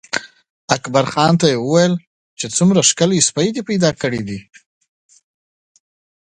اکبرجان ته یې وویل چې څومره ښکلی سپی دې پیدا کړی.